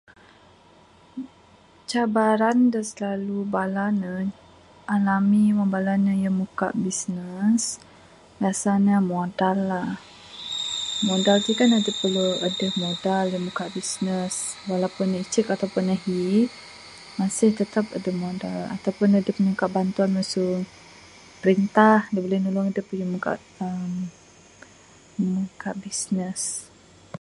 Cabaran dak slalu bala ne alami wang bala ne muka business, biasanya modal lah. Modal tik kan adep perlu adeh modal muka business walaupun ne icek ataupun ahi masih tetap adeh modal ataupun adep nyungka bantuan mesu printah dak buleh nulung adep muka aaa muka business.